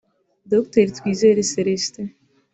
Dr Twizere Celestin